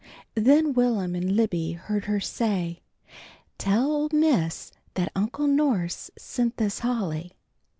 Then Will'm and Libby heard her say: "Tell 'Old Miss' that Uncle Norse sent this holly.